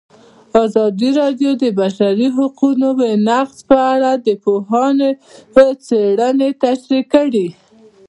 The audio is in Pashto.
ازادي راډیو د د بشري حقونو نقض په اړه د پوهانو څېړنې تشریح کړې.